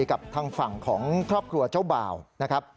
กับทางฝั่งของครอบครัวเจ้าบ่าวนะครับ